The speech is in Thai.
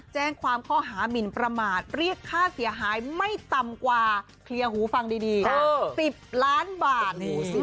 แจ้งความข้อหามินประมาทเรียกค่าเสียหายไม่ต่ำกว่าเคลียร์หูฟังดี๑๐ล้านบาท